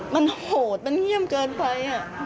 มันโหดมันเยี่ยมเกินไป